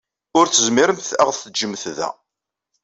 Ur tezmiremt ad ɣ-teǧǧemt da.